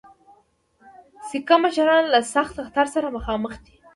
سیکه مشران له سخت خطر سره مخامخ دي.